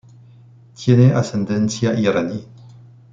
Tiene ascendencia Iraní.